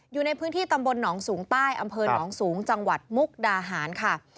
อยู่ในพื้นที่ตำบลหนองสูงใต้อำเภอหนองสูงจังหวัดมุกดาหารค่ะ